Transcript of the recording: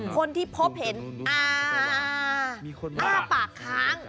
คนที่พบเห็นอ่าอ้าปากค้าง